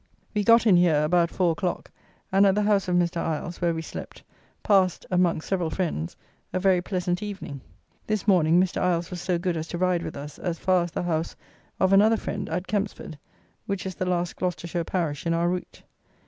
We got in here about four o'clock, and at the house of Mr. Iles, where we slept, passed, amongst several friends, a very pleasant evening. This morning, Mr. Iles was so good as to ride with us as far as the house of another friend at Kempsford, which is the last Gloucestershire parish in our route.